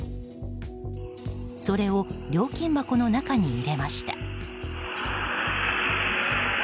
それを料金箱の中に入れました。